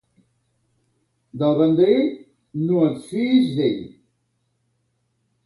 Del Vendrell, no et fiïs d'ell.